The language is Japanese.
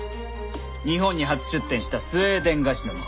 日本に初出店したスウェーデン菓子の店。